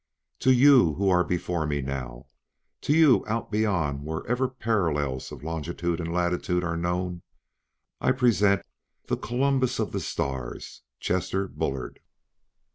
"To you who are before me now; to you out beyond wherever parallels of longitude and latitude are known I present the Columbus of the Stars! Chester Bullard!"